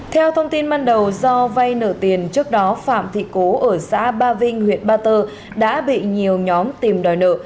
theo thông tin ban đầu do vay nợ tiền trước đó phạm thị cố ở xã ba vinh huyện ba tơ đã bị nhiều nhóm tìm đòi nợ